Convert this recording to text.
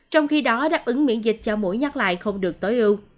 trong khi đó đáp ứng miễn dịch cho mũi nhắc lại không được tổn thương